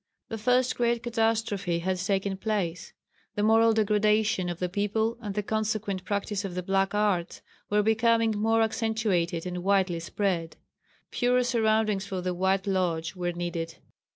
The first great catastrophe had taken place. The moral degradation of the people and the consequent practice of the "black arts" were becoming more accentuated and widely spread. Purer surroundings for the White Lodge were needed.